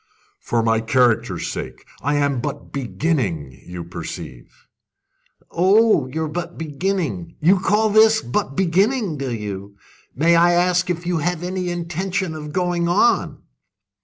"For my character's sake! I am but beginning, you perceive." "Oh, you're but beginning! You call this but beginning, do you? May I ask if you have any intention of going on?"